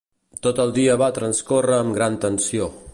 Tot el dia va transcórrer amb gran tensió.